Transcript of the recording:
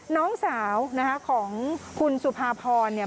น้องสาวของคุณสุพพรบันดีฐาน